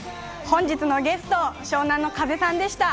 本日のゲスト、湘南乃風さんでした。